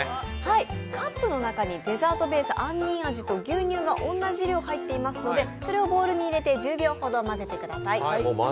カップの中にデザートベース、杏仁味と牛乳、同じ量が入っているのでそれをボウルに入れて１０秒ほど混ぜてください。